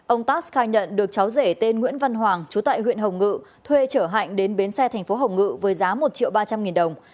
ông tass khai nhận được cháu rể tên nguyễn văn hoàng chú tại huyện hồng ngự thuê trở hạnh đến bến xe thành phố hồng ngự với giá một triệu ba trăm linh nghìn đồng